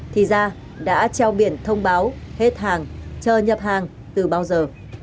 thì gia đã treo biển thông báo hết hàng chờ nhập hàng từ bao giờ